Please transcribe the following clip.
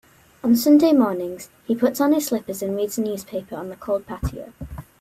On Sunday mornings, he puts on his slippers and reads the newspaper on the cold patio.